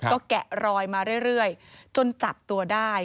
ก็แกะรอยมาเรื่อยจนจับตัวได้